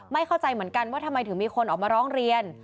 เข้าใจเหมือนกันว่าทำไมถึงมีคนออกมาร้องเรียน